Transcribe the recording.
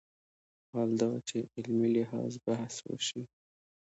حال دا چې علمي لحاظ بحث وشي